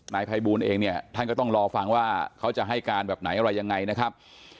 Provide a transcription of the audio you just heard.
นายภัยบูลเองเนี่ยท่านก็ต้องรอฟังว่าเขาจะให้การแบบไหนอะไรยังไงนะครับ